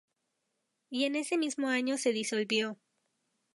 Y en ese mismo año se disolvió.